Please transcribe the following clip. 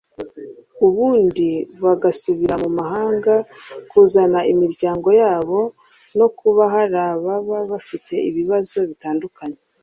ubundi bagasubira mu mahanga kuzana imiryango yabo no kuba hari ababa bafite ibibazo bitandukanye